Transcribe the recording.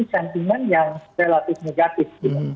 sentimen yang relatif negatif